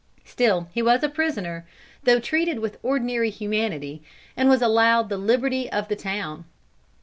Still he was a prisoner, though treated with ordinary humanity, and was allowed the liberty of the town.